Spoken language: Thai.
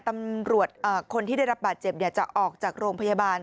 ตำรวจคนที่ได้รับบาดเจ็บจะออกจากโรงพยาบาล